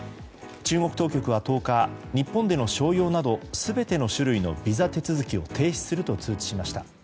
中国当局は１０日日本での商用など全ての種類のビザ手続きを停止すると通知しました。